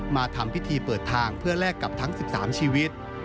มาทำพิธีเปิดทางเพื่อแลกกับทั้ง๑๓ชีวิต